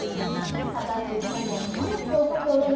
果たして２人はどうやってお酒を飲むんでしょうか。